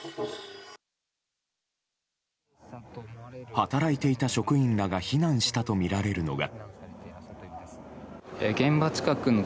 働いていた職員らが避難したとみられるのが。